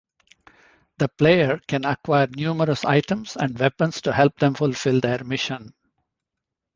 The player can acquire numerous items and weapons to help them fulfill their mission.